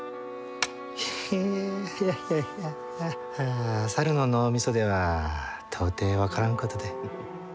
ヘヘッいやいや猿の脳みそでは到底分からんことで。